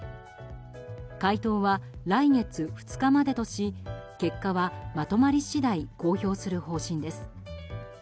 回答は来月２日までとし結果は、まとまり次第公表する方針です。